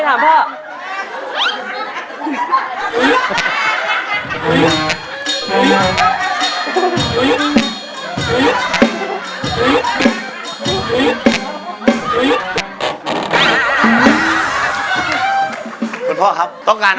เหมือน